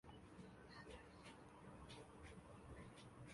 这些状况都显示裴瑞兹在大联盟仍有继续进步的空间。